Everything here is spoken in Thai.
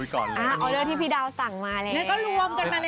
กอลเลอร์ที่พี่ดาวสั่งมาเลย